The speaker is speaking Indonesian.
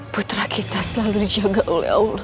putra kita selalu dijaga oleh allah